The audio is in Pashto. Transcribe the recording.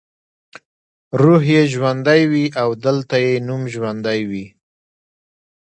روح یې ژوندی وي او دلته یې نوم ژوندی وي.